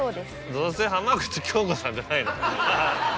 どうせ浜口京子さんじゃないの？